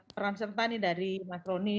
peran serta nih dari mas roni